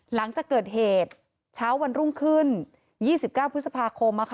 หลังจากเกิดเหตุเช้าวันรุ่งขึ้น๒๙พฤษภาคม